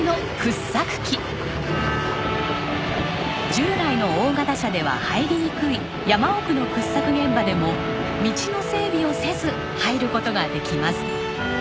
従来の大型車では入りにくい山奥の掘削現場でも道の整備をせず入る事ができます。